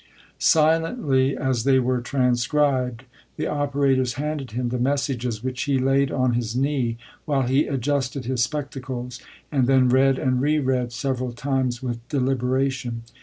Silently, as they were transcribed, the operators handed him the messages, which he laid on his knee while he adjusted his spectacles, and then read and re read several times with deliberation.